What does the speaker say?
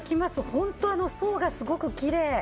本当、層がすごくきれい。